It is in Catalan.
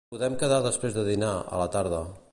Podem quedar després de dinar, a la tarda.